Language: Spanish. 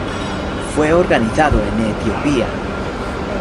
Fue organizado en Etiopía.